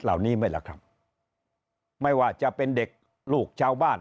เหล่านี้ไหมล่ะครับไม่ว่าจะเป็นเด็กลูกชาวบ้าน